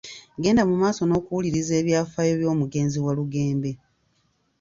Genda mu maaso n'okuwuliriza ebyafaayo by'omugenzi Walugembe.